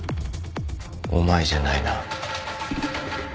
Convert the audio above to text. お前じゃないな？